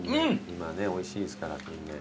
今ねおいしいですからキンメ。